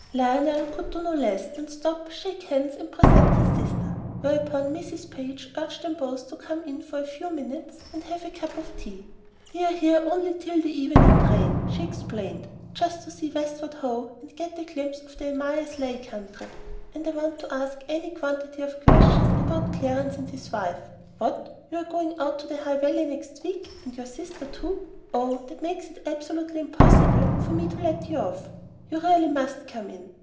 Lionel could do no less than stop, shake hands, and present his sister, whereupon Mrs. Page urged them both to come in for a few minutes and have a cup of tea. "We are here only till the evening train," she explained, "just to see Westward Ho and get a glimpse of the Amyas Leigh country. And I want to ask any quantity of questions about Clarence and his wife. What! you are going out to the High Valley next week, and your sister too? Oh, that makes it absolutely impossible for me to let you off. You really must come in.